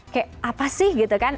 kayak apa sih gitu kan